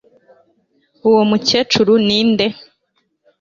uwo mukecuru ninde